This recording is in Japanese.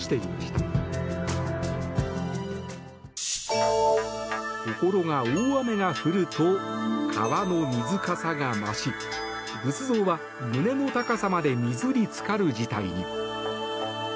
ところが、大雨が降ると川の水かさが増し仏像は胸の高さまで水に浸かる事態に。